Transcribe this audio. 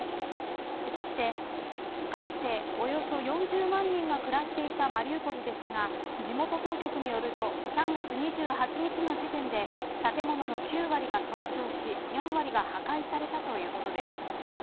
そして、かつておよそ４０万人が暮らしていたマリウポリですが地元当局によると３月２８日の時点で建物の９割が損傷し４割が破壊されたということです。